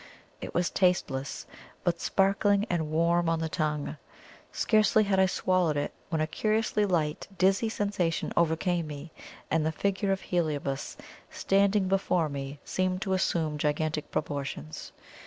It was tasteless, but sparkling and warm on the tongue. Scarcely had I swallowed it, when a curiously light, dizzy sensation overcame me, and the figure of Heliobas standing before me seemed to assume gigantic proportions.